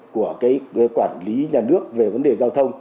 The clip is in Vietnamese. của cái quản lý nhà nước về vấn đề giao thông